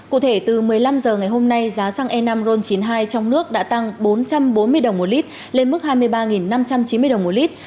cụ thể từ một mươi năm h ngày hôm nay giá xăng e năm ron chín mươi hai trong nước đã tăng bốn trăm bốn mươi đồng một lít lên mức hai mươi ba năm trăm chín mươi đồng một lít